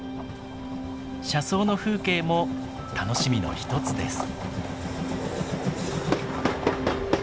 車窓の風景も楽しみの一つです。